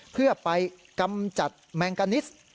เพื่อไปกำจัดแมงกานิส